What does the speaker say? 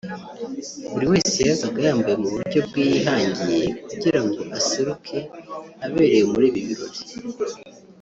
buri wese yazaga yambaye mu buryo bwe yihangiye kugira ngo aseruke aberewe muri ibi birori